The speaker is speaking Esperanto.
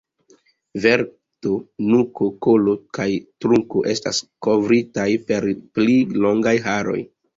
Verto, nuko, kolo kaj trunko estas kovritaj per pli longaj haroj.